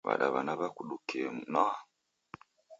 W'adawana w'akudukie nwaa!